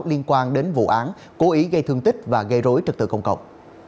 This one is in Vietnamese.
liên quan đến vụ án cố ý gây thương tích và gây rối trật tự công cộng